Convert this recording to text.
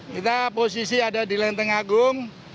kita posisi ada di lenteng agung